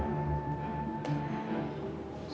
kamu sudah pusing cek excess